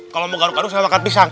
kalau mau garuk garuk saya makan pisang